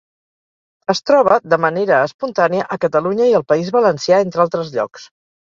Es troba de manera espontània a Catalunya i al País Valencià entre altres llocs.